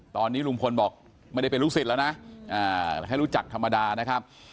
ตอนนี้ลุงพลบอกไม่ได้เป็นลูกศิษย์แล้วนะให้รู้จักธรรมดานะครับ